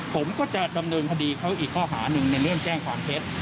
ผมก็จะดำเนินคดีเขาอีกข้อหาหนึ่งในเรื่องแจ้งความเท็จ